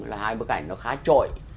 là hai bức ảnh nó khá trội